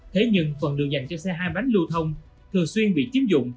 thế nhưng phần đường dành cho xe hai bánh lưu thông thường xuyên bị chiếm dụng